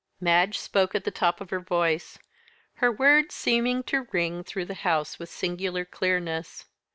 Madge spoke at the top of her voice, her words seeming to ring through the house with singular clearness.